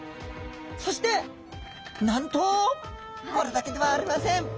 そしてなんとこれだけではありません。